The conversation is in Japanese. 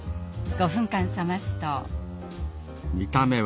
５分間冷ますと。